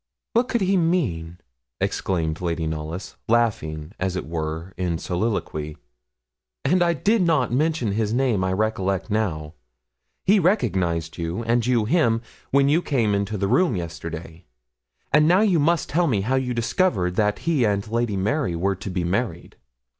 'What could he mean?' exclaimed Lady Knollys, laughing, as it were, in soliloquy; 'and I did not mention his name, I recollect now. He recognised you, and you him, when you came into the room yesterday; and now you must tell me how you discovered that he and Lady Mary were to be married.'